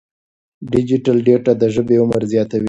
ډیجیټل ډیټا د ژبې عمر زیاتوي.